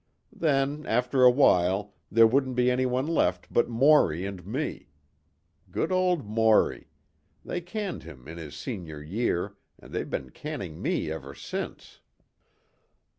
Then, after a while there wouldn't be anyone left but Morey and me good old Morey they canned him in his senior year and they've been canning me ever since."